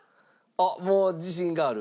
あっもう自信がある？